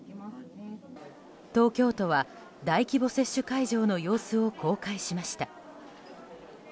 東京都は大規模接種会場の様子を公開しました。